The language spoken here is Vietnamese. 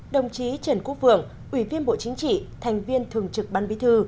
đồng chí trần quốc vượng ủy viên bộ chính trị thành viên thường trực ban bí thư